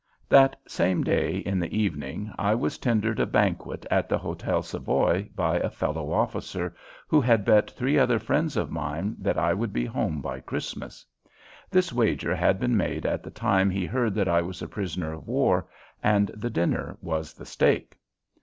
That same day, in the evening, I was tendered a banquet at the Hotel Savoy by a fellow officer who had bet three other friends of mine that I would be home by Christmas. This wager had been made at the time he heard that I was a prisoner of war, and the dinner was the stake.